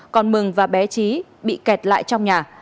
còn mừng và bé trí bị kẹt lại trong nhà